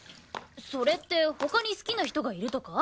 それって他に好きな人がいるとか？